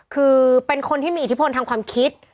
คือเป็นคนที่มีอิทธิพลทางความคิด